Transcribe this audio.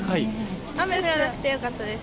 雨じゃなくてよかったです。